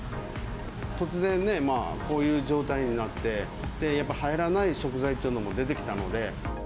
突然ね、こういう状態になって、やっぱ入らない食材というのも出てきたので。